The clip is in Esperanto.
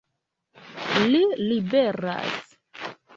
Li liberas!